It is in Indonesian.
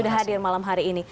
sudah hadir malam hari ini